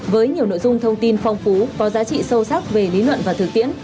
với nhiều nội dung thông tin phong phú có giá trị sâu sắc về lý luận và thực tiễn